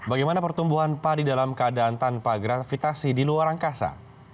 bagaimana pertumbuhan padi dalam keadaan tanpa gravitasi di luar angkasa